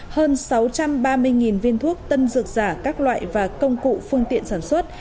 hơn sáu trăm ba mươi viên thuốc tân dược giả các loại và công cụ phương tiện sản xuất